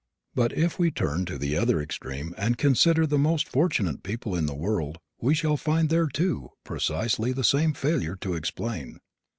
But if we turn to the other extreme and consider the most fortunate people in the world we shall find there, too, precisely the same failure to explain.